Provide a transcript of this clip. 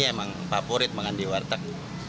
emang favorit makan di warteg